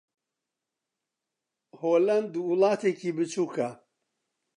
ھۆلەند وڵاتێکی بچووکە.